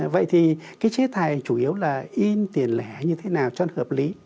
vậy thì cái chế tài chủ yếu là in tiền lẻ như thế nào cho nó hợp lý